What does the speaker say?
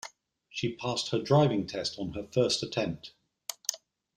She passed her driving test on her first attempt.